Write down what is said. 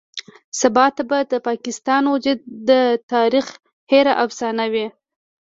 سباته د پاکستان وجود به د تاريخ هېره افسانه وي.